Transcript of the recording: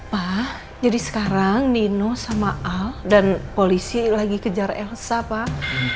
pak jadi sekarang nino sama al dan polisi lagi kejar elsa pak